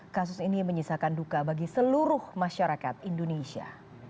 kasus ini menyisakan duka bagi seluruh masyarakat indonesia